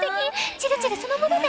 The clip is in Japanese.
チルチルそのものね」。